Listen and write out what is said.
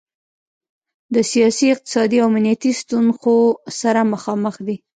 د سیاسي، اقتصادي او امنیتي ستونخو سره مخامخ دی.